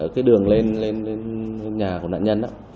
cái đường lên nhà của nạn nhân